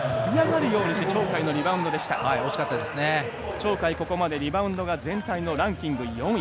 鳥海、ここまでリバウンドが全体のランキング４位。